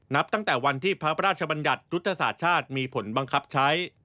นับตั้งแต่วันที่พระราชบัญญัติยุทธศาสตร์ชาติมีผลบังคับใช้